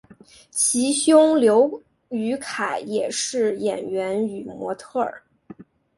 其兄刘雨凯也是演员与模特儿。